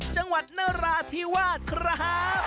จังหวัดนราธิวาสครับ